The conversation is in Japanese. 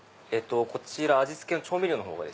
こちら味付けの調味料の方が。